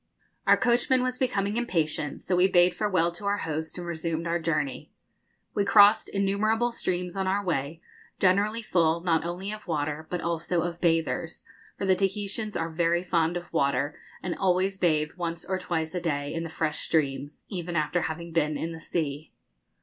Our coachman was becoming impatient, so we bade farewell to our host, and resumed our journey. We crossed innumerable streams on our way, generally full not only of water, but also of bathers; for the Tahitians are very fond of water, and always bathe once or twice a day in the fresh streams, even after having been in the sea.